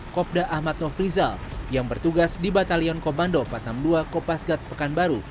kopda ahmad nofrizal yang bertugas di batalion komando empat ratus enam puluh dua kopasgat pekanbaru